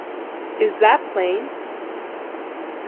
'Is that plain?